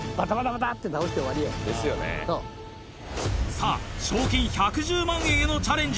さぁ賞金１１０万円へのチャレンジ。